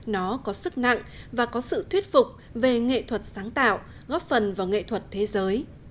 nó có sức nặng và có sự thuyết phục về nghệ thuật sáng tạo góp phần vào nghệ thuật thế giới